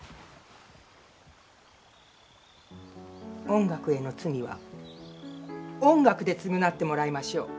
音楽への罪は音楽で償ってもらいましょう。